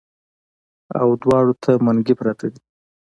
او دواړو ته منګي پراتۀ دي